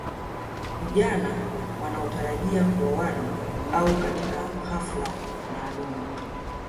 Vijana wanaotarajia kuoana au katika hafla maalum